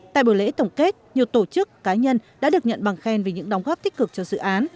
tại buổi lễ tổng kết nhiều tổ chức cá nhân đã được nhận bằng khen vì những đóng góp tích cực cho dự án